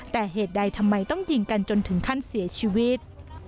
แต่เหตุใดทำไมต้องยิงกันจนถึงขั้นเสียชีวิต